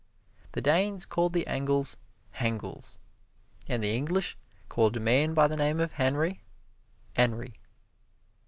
The Danes called the Engles, "Hengles," and the Engles called a man by the name of Henry, "Enry."